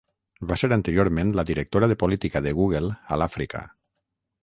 Va ser anteriorment la Directora de Política de Google a l'Àfrica.